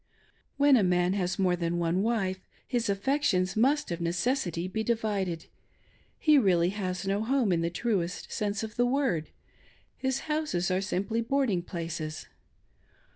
When a man has more than one wife, his affections must of necessity be divided ; he really has no home in the truest sense of the word ; his houses are simply boarding places.